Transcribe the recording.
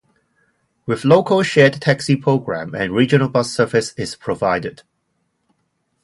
With Local Shared Taxi program and regional bus service is provided.